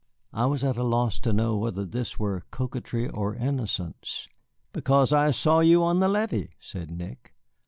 I was at a loss to know whether this were coquetry or innocence. "Because I saw you on the levee," said Nick.